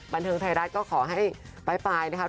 บันเทิงไทยรัฐก็ขอให้ปลายนะครับ